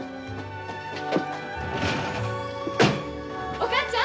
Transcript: お母ちゃん。